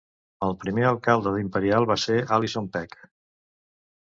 El primer alcalde d'Imperial va ser Allison Peck.